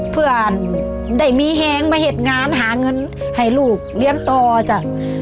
เพื่อได้มีแหงมาเห็นงานหาเงินให้ลูกเลี้ยงต่อจ้ะ